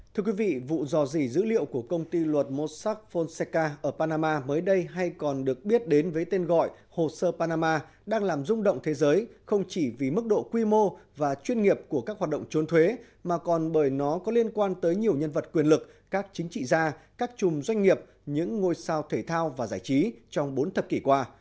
thưa quý vị vụ dò dỉ dữ liệu của công ty luật mossack fonseca ở panama mới đây hay còn được biết đến với tên gọi hồ sơ panama đang làm rung động thế giới không chỉ vì mức độ quy mô và chuyên nghiệp của các hoạt động trốn thuế mà còn bởi nó có liên quan tới nhiều nhân vật quyền lực các chính trị gia các chùm doanh nghiệp những ngôi sao thể thao và giải trí trong bốn thập kỷ qua